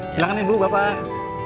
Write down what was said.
silahkan ibu bapak